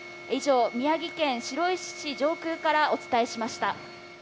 以上、宮城県白石市上空からお伝えしました。